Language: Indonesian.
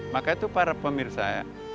maka itu para pemirsa